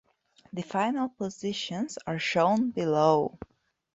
The final positions are shown below.